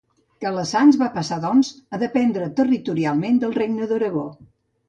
Calassanç va passar doncs, a dependre territorialment del regne d'Aragó.